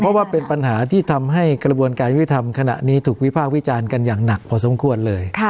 เพราะว่าเป็นปัญหาที่ทำให้กระบวนการยุทธิธรรมขณะนี้ถูกวิพากษ์วิจารณ์กันอย่างหนักพอสมควรเลย